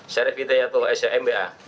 saref hidayatul sh mba